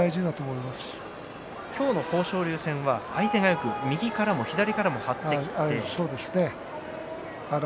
今日の豊昇龍戦は相手がよく右からも左からも張ってきます。